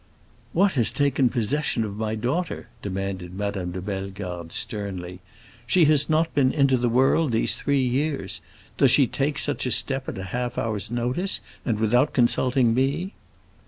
"What has taken possession of my daughter?" demanded Madame de Bellegarde, sternly. "She has not been into the world these three years. Does she take such a step at half an hour's notice, and without consulting me?"